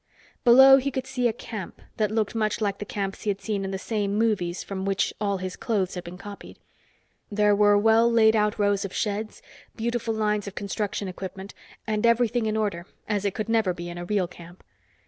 Below, he could see a camp that looked much like the camps he had seen in the same movies from which all his clothes had been copied. There were well laid out rows of sheds, beautiful lines of construction equipment and everything in order, as it could never be in a real camp.